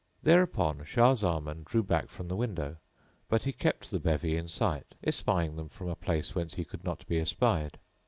Thereupon Shah Zaman drew back from the window, but he kept the bevy in sight espying them from a place whence he could not be espied.